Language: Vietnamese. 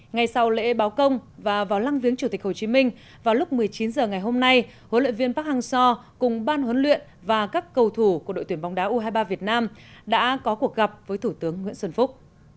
ngay sau lễ báo công và vào lăng viếng chủ tịch hồ chí minh vào lúc một mươi chín h ngày hôm nay huấn luyện viên park hang seo cùng ban huấn luyện và các cầu thủ của đội tuyển bóng đá u hai mươi ba việt nam đã có cuộc gặp với thủ tướng nguyễn xuân phúc